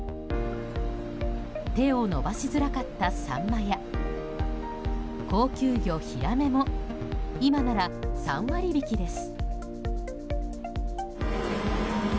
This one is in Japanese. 手を伸ばしづらかったサンマや高級魚ヒラメも今なら３割引きです。